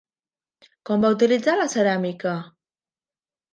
Com va utilitzar la ceràmica?